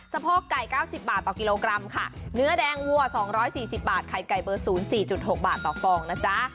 โพกไก่๙๐บาทต่อกิโลกรัมค่ะเนื้อแดงวัว๒๔๐บาทไข่ไก่เบอร์๐๔๖บาทต่อฟองนะจ๊ะ